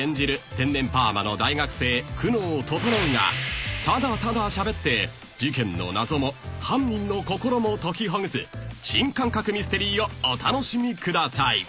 天然パーマの大学生久能整がただただしゃべって事件の謎も犯人の心も解きほぐす新感覚ミステリーをお楽しみください］